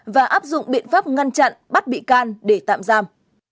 và áp dụng biện pháp ngăn chặn bắt bị can để tạm giam